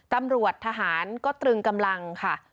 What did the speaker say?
ตำรวจทหารก็ตรึงกำลังค่ะ